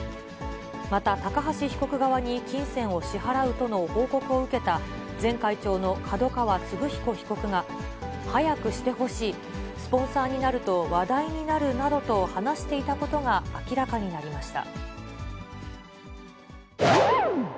また、高橋被告側に金銭を支払うとの報告を受けた、前会長の角川歴彦被告が早くしてほしい、スポンサーになると話題になるなどと話していたことが明らかになりました。